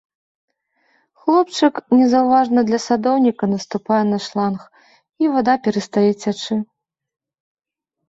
Хлопчык незаўважна для садоўніка наступае на шланг, і вада перастае цячы.